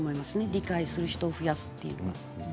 理解する人を増やすということ。